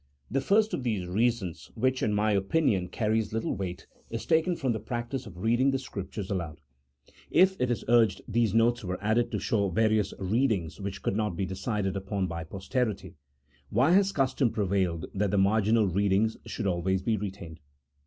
The first of these reasons, which, in my opinion, carries little weight, is taken from the practice of reading the Scriptures aloud. If, it is urged, these notes were added to show various readings which could not be decided upon by posterity, why has custom prevailed that the marginal readings should always be retained